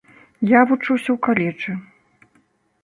Я вучуся ў каледжы.